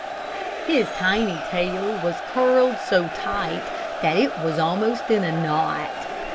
His tiny tail was curled so tight that it was almost in a knot.